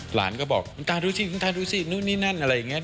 หลานก็บอกคุณตาดูสิคุณตาดูสินู่นนี่นั่นอะไรอย่างนี้